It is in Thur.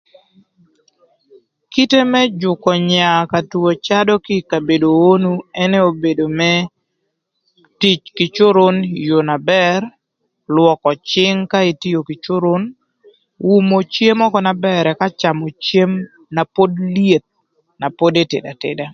Kite më jükö nya ka two cadö kï ï kabedo onu ënë obedo më tic kï coron ï yoo na bër, lwökö cïng ka itio kï coron, umo cem ökö na bër ëka camö cem na pod lyeth na pod etedo ateda.